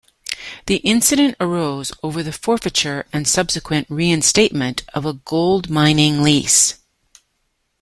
The incident arose over the forfeiture and subsequent reinstatement of a gold mining lease.